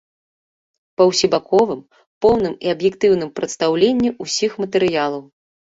Па усебаковым, поўным і аб'ектыўным прадстаўленні ўсіх матэрыялаў.